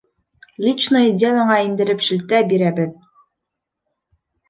«Личное дело»ңа индереп шелтә бирәбеҙ!